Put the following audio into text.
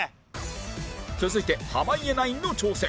続いて濱家ナインの挑戦